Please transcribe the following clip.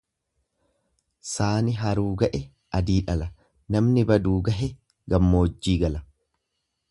Saani haruu ga'e adii dhala, namni baduu gahe gammoojjii gala.